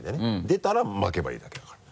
出たらまけばいいだけだから。